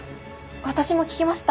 私も聞きました。